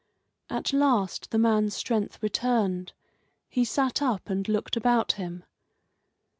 At last the man's strength returned; he sat up and looked about him.